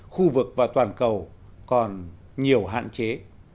khu vực và toàn cầu còn nhiều hạn chế